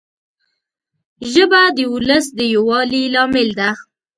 ژبه د ولس د یووالي لامل ده